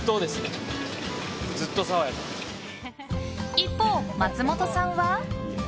一方、松本さんは。